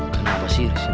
kenapa sih resi rojira